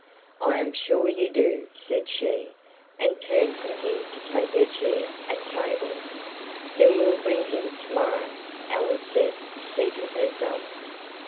"I am sure you do," said she, and turned from him to take her chair at table. "Then we'll bring him tomorrow," Alice said, seating herself.